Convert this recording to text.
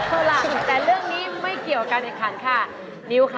เอาล่ะแต่เรื่องนี้ไม่เกี่ยวกันทั้งคู่นิ้วค่ะ